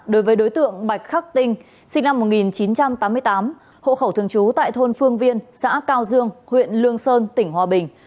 đối với đối tượng bạch khắc tinh sinh năm một nghìn chín trăm tám mươi tám hộ khẩu thường trú tại thôn phương viên xã cao dương huyện lương sơn tỉnh hòa bình